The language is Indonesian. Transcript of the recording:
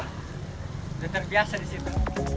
sudah terbiasa di situ